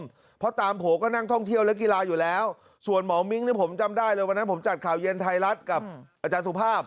เพราะตามโผล่ก็นั่งท่องเที่ยวและกีฬาอยู่แล้วส่วนหมอมิ้งนี่ผมจำได้เลยวันนั้นผมจัดข่าวเย็นไทยรัฐกับอาจารย์สุภาพ